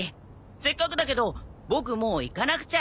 せっかくだけどボクもう行かなくちゃ。